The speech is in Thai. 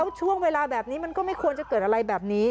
ช่วงเวลาแบบนี้มันก็ไม่ควรจะเกิดอะไรแบบนี้